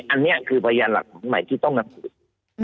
อันนี้คือประหยัดหลักใหม่ที่ต้องนับสูตร